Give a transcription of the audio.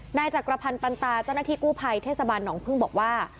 นายจักรพันธ์ปันตาเจ้าหน้าที่กู้ภัยเทศบาลหนองพึ่งบอกว่า